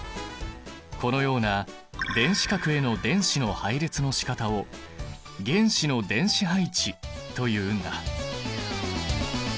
このような電子殻への電子の配列のしかたを原子の電子配置というんだ。